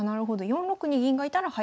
４六に銀がいたら早繰り